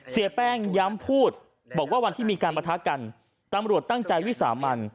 เสียแป้งย้ำพูดบอกว่าวันที่มีการประทะกันตำรวจตั้งใจวิสามัน